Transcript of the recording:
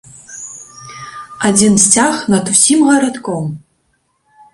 Адзін сцяг над усім гарадком!